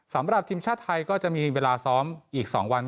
สำหรับทีมชาติไทยก็จะมีเวลาซ้อมอีก๒วัน